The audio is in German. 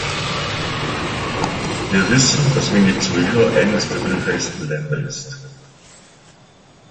Wir wissen, dass Venezuela eines der ölreichsten Länder ist.